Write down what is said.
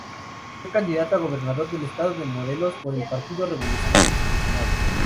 Fue candidato a gobernador del Estado de Morelos por el Partido Revolucionario Institucional.